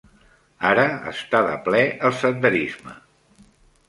Ara està de ple el senderisme.